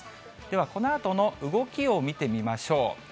では、このあとの動きを見てみましょう。